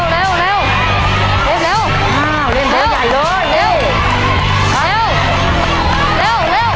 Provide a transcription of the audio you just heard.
เร็ว